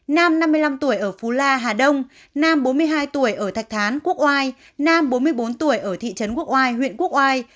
nam năm mươi năm tuổi ở phú la hà đông nam bốn mươi hai tuổi ở thạch thán quốc oai nam bốn mươi bốn tuổi ở thị trấn quốc oai huyện quốc oai